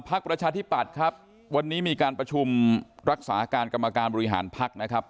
ประชาธิปัตย์ครับวันนี้มีการประชุมรักษาการกรรมการบริหารภักดิ์นะครับ